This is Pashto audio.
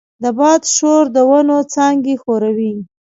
د باد شور د ونو څانګې ښوروي.